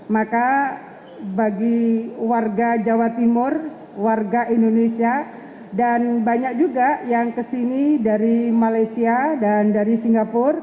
maka bagi warga jawa timur warga indonesia dan banyak juga yang kesini dari malaysia dan dari singapura